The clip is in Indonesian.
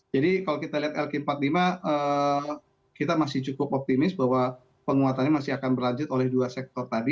jadi kalau kita lihat lk empat puluh lima kita masih cukup optimis bahwa penguatannya masih akan berlanjut oleh dua sektor tadi